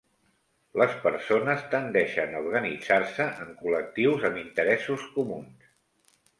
Les persones tendeixen a organitzar-se en col·lectius amb interessos comuns.